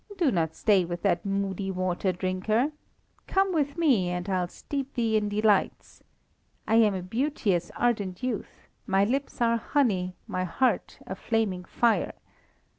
do not stay with that moody water drinker! Come with me, and I'll steep thee in delights. I am a beauteous, ardent youth; my lips are honey, my heart a flaming fire.